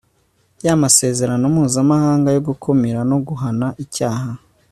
y Amasezerano Mpuzamahanga yo Gukumira no Guhana icyaha